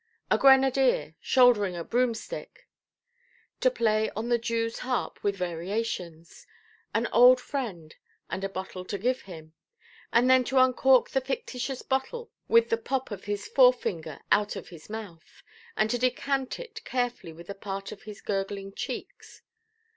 —"A grenadier"! shouldering a broomstick; to play on the Jewʼs–harp, with variations, "An old friend, and a bottle to give him"; and then to uncork the fictitious bottle with the pop of his forefinger out of his mouth, and to decant it carefully with the pat of his gurgling cheeks!